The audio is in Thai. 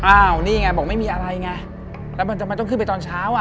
อ้าวนี่ไงบอกไม่มีอะไรไงแล้วมันทำไมต้องขึ้นไปตอนเช้าอ่ะ